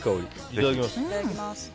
いただきます。